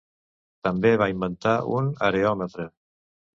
També va inventar un areòmetre.